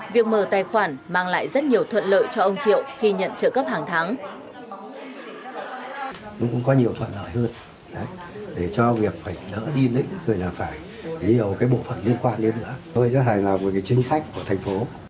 việc mở tài khoản mang lại rất nhiều thuận lợi cho ông triệu khi nhận trợ cấp hàng tháng